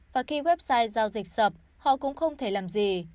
và khi website giao dịch sập họ cũng không thể làm gì